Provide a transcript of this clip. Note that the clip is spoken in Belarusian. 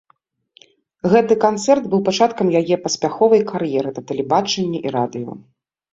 Гэты канцэрт быў пачаткам яе паспяховай кар'еры на тэлебачанні і радыё.